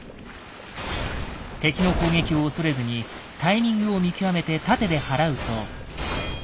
敵の攻撃を恐れずにタイミングを見極めて盾ではらうと。